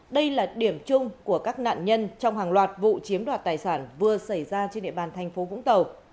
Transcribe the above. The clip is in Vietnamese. đây là điểm chung của các nạn nhân trong hàng loạt vụ chiếm đoạt tài sản vừa xảy ra trên địa bàn thành phố vũng tàu